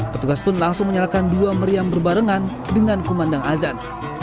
petugas pun langsung menyalakan dua meriam berbarengan dengan kumandang azan